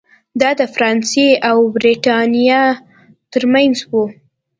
دا د فرانسې او برېټانیا ترمنځ و.